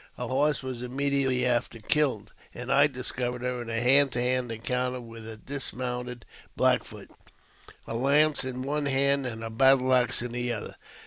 Her horse was immediately after killed, and I discovered her in a hand to hand encounter with a dismounted Black Foot, her lance in one hand and her battle axe in the other.